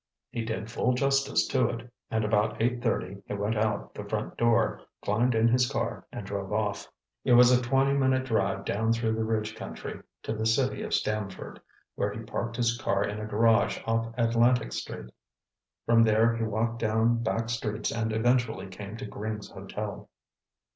He did full justice to it, and about eight thirty he went out the front door, climbed in his car and drove off. It was a twenty minute drive down through the ridge country to the city of Stamford, where he parked his car in a garage off Atlantic Street. From there he walked down back streets and eventually came to Gring's Hotel.